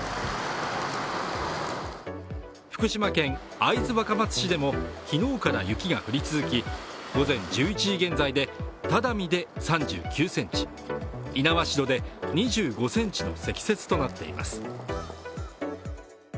福島県会津若松市でも昨日から雪が降り続き、午前１１時現在で只見で３９ｃｍ猪苗代で２５ｃｍの積雪となっています。